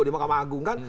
di mahkamah agung kan